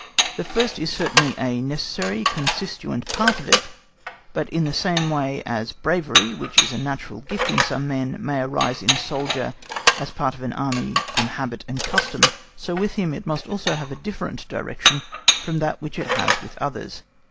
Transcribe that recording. The first is certainly a necessary constituent part of it, but in the same way as bravery, which is a natural gift in some men, may arise in a soldier as a part of an Army from habit and custom, so with him it must also have a different direction from that which it has with others.